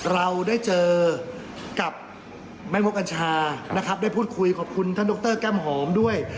เราได้เจอกับแม่มกกัญชานะครับได้พูดคุยขอบคุณท่านดรแก้มหอมด้วย